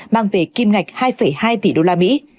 mang về kim ngạch hai hai tỷ đô la mỹ